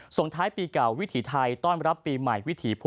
ส่งท้ายปีเก่าวิถีไทย